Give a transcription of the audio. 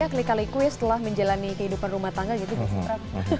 mereka klik klik quiz setelah menjalani kehidupan rumah tangga gitu